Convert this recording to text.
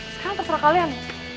sekarang terserah kalian